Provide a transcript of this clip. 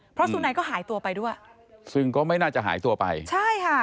เพราะสุนัยก็หายตัวไปด้วยซึ่งก็ไม่น่าจะหายตัวไปใช่ค่ะ